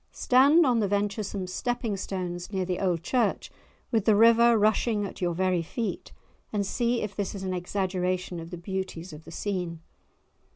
Stand on the venturesome stepping stones near the old church, with the river rushing at your very feet, and see if this is an exaggeration of the beauties of the scene.